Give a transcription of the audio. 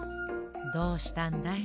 どうしたんだい？